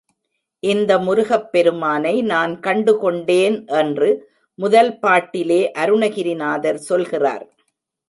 இந்த முருகப் பெருமானை நான் கண்டு கொண்டேன் என்று முதல் பாட்டிலே அருணகிரிநாதர் சொல்கிறார்.